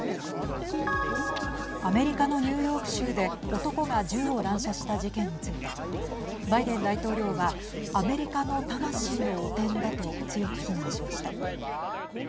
アメリカのニューヨーク州で男が銃を乱射した事件についてバイデン大統領はアメリカの魂の汚点だと強く非難しました。